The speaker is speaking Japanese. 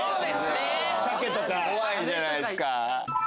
怖いじゃないですか。